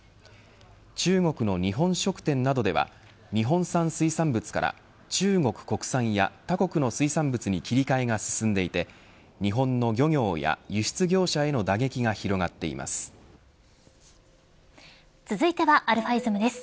中国の日本食店などでは日本産水産物から中国国産や他国の水産物に切り替えが進んでいて日本の漁業や輸出業者への打撃が続いてはαｉｓｍです。